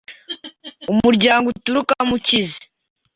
umuryango uturukamo ukize,